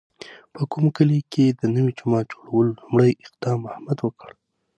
په کلي کې د نوي جومات جوړولو لومړی اقدام احمد وکړ.